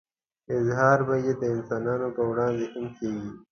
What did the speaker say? اظهار به يې د انسانانو په وړاندې هم کېږي.